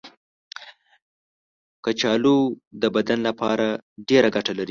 کچالو د بدن لپاره ډېره ګټه لري.